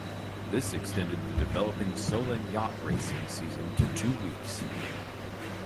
This extended the developing Solent yacht racing season to two weeks.